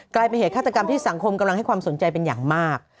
กลายเป็นเหตุฆาตกรรมที่สังคมกำลังให้ความสนใจเป็นอย่างมาก